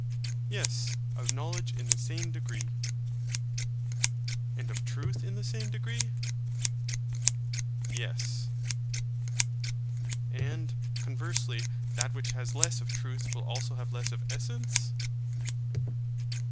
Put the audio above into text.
Yes, of knowledge in the same degree. And of truth in the same degree? Yes. And, conversely, that which has less of truth will also have less of essence?